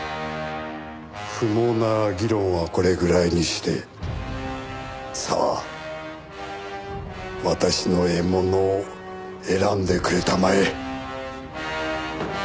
不毛な議論はこれぐらいにしてさあ私の獲物を選んでくれたまえ。